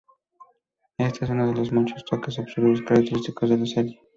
Este es uno de los muchos toques absurdos característicos de la serie.